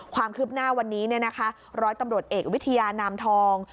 ความคืบหน้าวันนี้ร้อยตำรวจเอกวิทยานามทอง